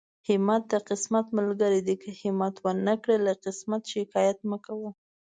همت د قسمت ملګری دی، که همت ونکړې له قسمت شکايت مکوه.